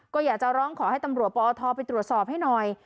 ก็อยากจะร้องขอให้ตำรวจปอทไปตรวจสอบให้หน่อย